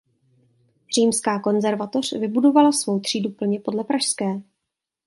Římská konzervatoř vybudovala svou třídu plně podle pražské.